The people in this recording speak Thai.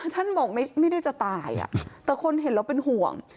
ท่านบอกไม่ได้จะตายแต่คนเห็นแล้วเป็นห่วง